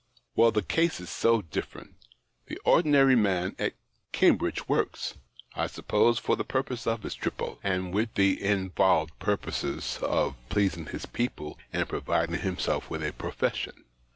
" Well, the case is so different. The ordi nary man at Cambridge works, I suppose, for the purpose of his tripos, and with the in volved purposes of pleasing his people and providing himself with a profession.